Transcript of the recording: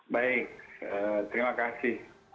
baik terima kasih